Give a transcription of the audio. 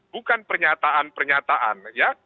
bukan pernyataan pernyataan ya